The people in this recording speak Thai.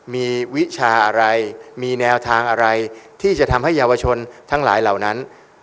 มีวิชาอะไรมีแนวทางอะไรที่จะทำให้เยาวชนทั้งหลายเหล่านั้น